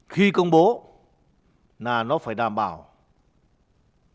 khi công bố là nó phải đảm bảo chứng cứ